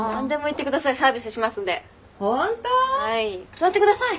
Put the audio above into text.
座ってください。